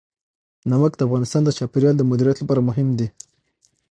نمک د افغانستان د چاپیریال د مدیریت لپاره مهم دي.